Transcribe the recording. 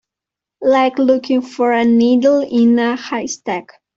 Like looking for a needle in a haystack.